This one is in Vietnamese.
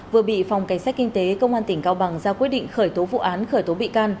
vừa bị phòng cảnh sát kinh tế công an tỉnh cao bằng ra quyết định khởi tố vụ án khởi tố bị can